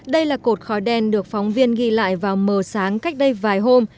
đây là cột khói đen được phóng viên ghi lại vào mờ sáng cách đây vài hôm